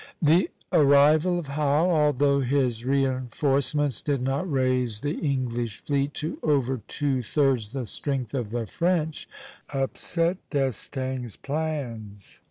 The arrival of Howe, although his reinforcements did not raise the English fleet to over two thirds the strength of the French, upset D'Estaing's plans.